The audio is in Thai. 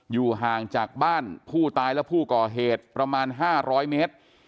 อยู่ห่างจากบ้านผู้ตายและผู้ก่อเหตุประมาณ๕๐๐เมตร